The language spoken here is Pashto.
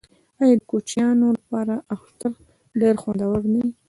آیا د کوچنیانو لپاره اختر ډیر خوندور نه وي؟